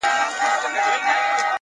ریښتینی ملګری په سختۍ پېژندل کېږي!.